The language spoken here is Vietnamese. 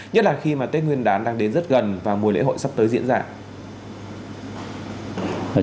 nhất là khi mà tết nguyên đán đang đến rất gần và mùa lễ hội sắp tới diễn ra